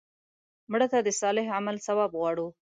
مړه ته د صالح عمل ثواب غواړو